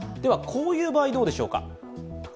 こういう場合どうでしょうか。